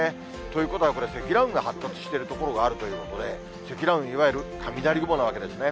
ということは、積乱雲が発達している所があるということで、積乱雲、いわゆる雷雲なわけですね。